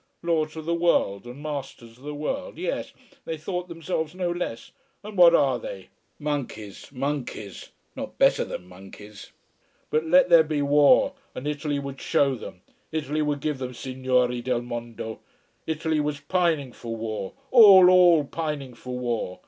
_ Lords of the world, and masters of the world. Yes. They thought themselves no less and what are they? Monkeys! Monkeys! Not better than monkeys. But let there be war, and Italy would show them. Italy would give them signori del mondo! Italy was pining for war all, all, pining for war.